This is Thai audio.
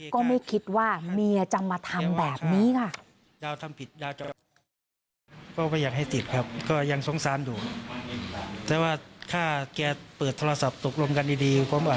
ก็ไม่คิดว่าเมียจะมาทำแบบนี้ค่ะ